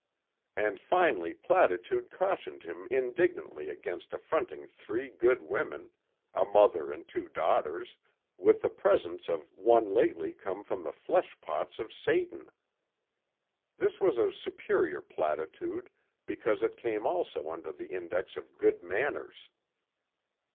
And finally platitude cautioned him indignantly against affronting three good women a mother and two daughters with the presence of one lately come from the flesh pots of Satan. This was a superior platitude because it came also under the index of good manners.